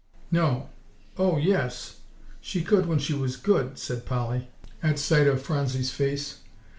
"No oh, yes; she could when she was good," said Polly at sight of Phronsie's face.